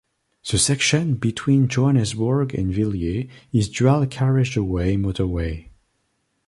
The section between Johannesburg and Villiers is dual carriageway motorway.